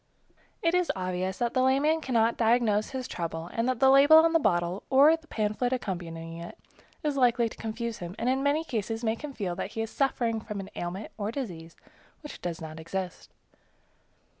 It is obvious that the layman cannot diagnose his trouble, and the label on the bottle, or the pamphlet accompanying it, is likely to confuse him, and in many cases makes him feel that he is suffering from an ailment or disease which does not exist.